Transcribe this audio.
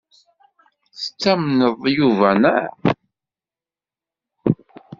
Tettamneḍ Yuba, naɣ?